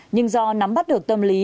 nhưng do nắm bắt được tâm lý